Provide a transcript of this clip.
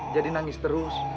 jadi nangis terus